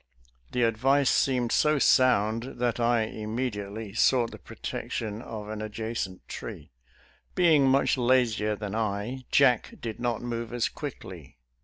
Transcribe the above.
"" The advice seemed so sound that I immediately sought the protection of an adjacent tree. Being much lazier than I, Jack did not move as quickly.